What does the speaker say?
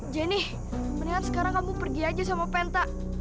jenny mendingan sekarang kamu pergi aja sama penta